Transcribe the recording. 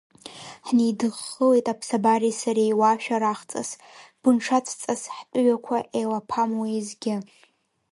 Ҳнеидыххылеит аԥсабареи сареи уа шәарахҵас, бынҽацәҵас ҳтәыҩақәа еилаԥам уиазгьы.